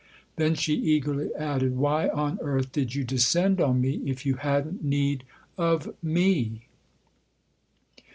Then she eagerly added :" Why on earth did you descend on me if you hadn't need of me